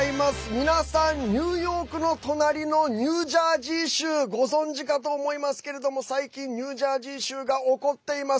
皆さん、ニューヨークの隣のニュージャージー州ご存じかと思いますけれども最近、ニュージャージー州が怒っています。